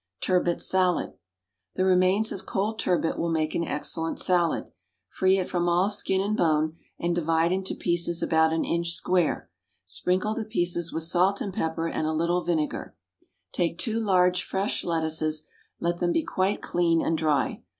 =Turbot Salad.= The remains of cold turbot will make an excellent salad. Free it from all skin and bone, and divide into pieces about an inch square. Sprinkle the pieces with salt and pepper and a little vinegar. Take two large fresh lettuces, let them be quite clean and dry.